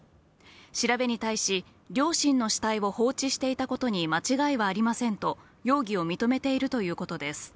調べに対し、両親の死体を放置していたことに間違いはありませんと、容疑を認めているということです。